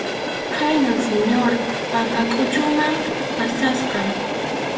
Khaynam Señor Pampakʼuchuwan pasasqa.